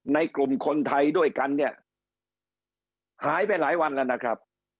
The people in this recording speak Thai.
ในกลุ่มคนไทยด้วยกันเนี่ยหายไปหลายวันแล้วนะครับ